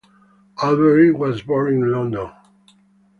Albery was born in London.